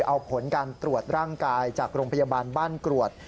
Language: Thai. เอาผลการตรวจร่างกายจากโรงพยาบาลบ้านกรวด